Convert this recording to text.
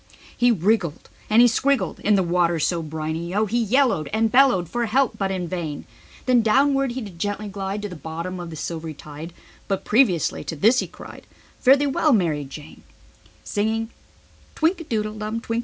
He wriggled and scriggled in the water, so briny O. He yellowed and bellowed for help but in vain. Then downward he did gently glide to the bottom of the silvery tide; But previously to this he cried: "Fare the well Mar i Jane."